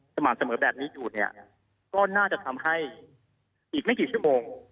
สม่ำเสมอแบบนี้อยู่เนี่ยก็น่าจะทำให้อีกไม่กี่ชั่วโมง